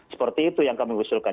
seperti itu yang kami usulkan